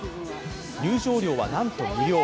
入場料は、なんと無料。